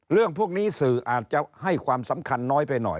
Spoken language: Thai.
เรื่องพวกนี้สื่ออาจจะให้ความสำคัญน้อยไปหน่อย